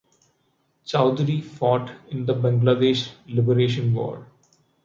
Chowdhury fought in the Bangladesh Liberation war.